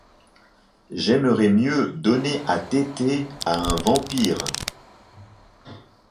J'aimerais mieux donner à téter à un vampire.